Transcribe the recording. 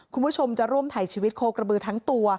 คุณผู้ชมจะร่วมถ่ายชีวิตโคกระบือทั้งตัว